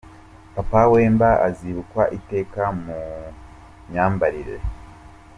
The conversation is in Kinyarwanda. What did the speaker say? Papa Wemba azibukwa iteka mu myambarire.